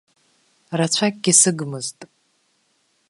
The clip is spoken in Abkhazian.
Рацәакгьы сыгмызт.